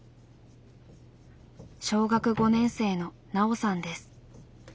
小学５年生のナオさんです。